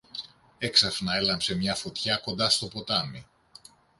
Έξαφνα έλαμψε μια φωτιά κοντά στο ποτάμι.